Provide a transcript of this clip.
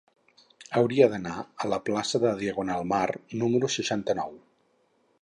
Hauria d'anar a la plaça de Diagonal Mar número seixanta-nou.